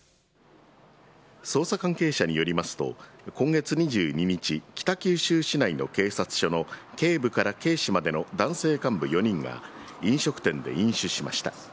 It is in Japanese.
捜査関係者によりますと、今月２２日、北九州市内の警察署の警部から警視までの男性幹部４人が飲食店で飲酒しました。